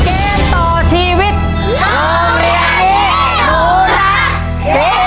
เกมต่อชีวิตโรงเรียนให้ดูรัก